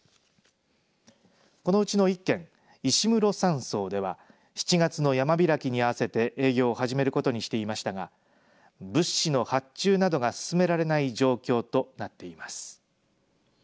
このうちの１軒、石室山荘では７月の山開きに合わせて営業を始めることにしていましたが物資の発注などが進められない状況となっています。